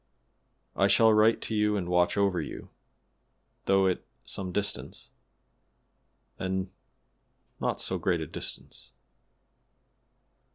I shall write to you and watch over you, though it some distance and not so great a distance.